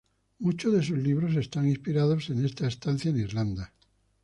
Muchos de sus libros están inspirados en esta estancia en Irlanda.